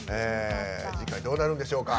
次回、どうなるんでしょうか。